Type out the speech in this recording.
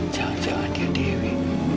jangan jangan ya dewi